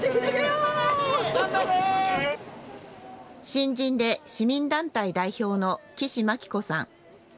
新人で市民団体代表の岸牧子さん。